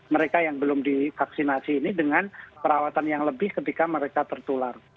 mereka yang belum divaksinasi ini dengan perawatan yang lebih ketika mereka tertular